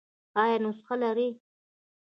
ایا نسخه لرئ؟